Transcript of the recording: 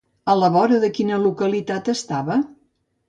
A la vora de quina localitat estava?